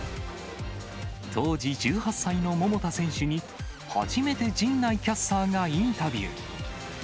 当時１８歳の桃田選手に、初めて陣内キャスターがインタビュー。